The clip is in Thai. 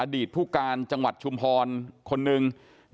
ตผู้การจังหวัดชุมพรคนหนึ่ง